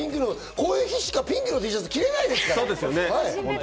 こういう日にしかピンクのＴシャツは着られないですから。